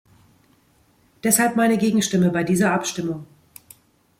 Deshalb meine Gegenstimme bei dieser Abstimmung.